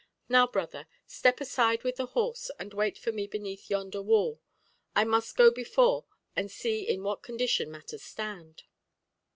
Now, brother, step aside with the horse, and wait for me beneath yonder wall. I must go before and see in what condition matters stand."